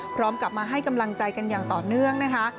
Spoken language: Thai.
พร้อมกลับมาให้กำลังใจกันอย่างต่อเนื่องนะคะ